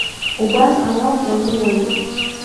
Убасҟан ауп уануаҩу.